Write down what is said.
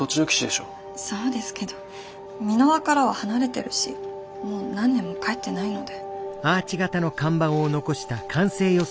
そうですけど美ノ和からは離れてるしもう何年も帰ってないので。